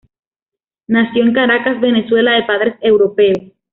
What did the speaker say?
Nació en Caracas, Venezuela, de padres europeos.